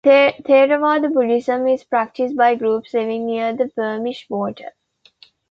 Theravada Buddhism is practised by groups living near the Burmese border.